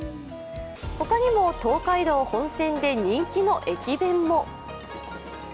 他にも東海道本線で人気の駅弁も。